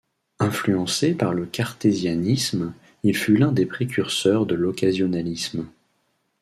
Influencé par le cartésianisme, il fut l'un des précurseurs de l'occasionalisme.